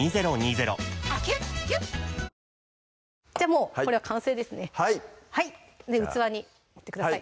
もうこれは完成ですねはい器に盛ってください